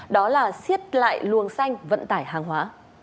đó là xiết lại luồng xanh vận tải hàng hóa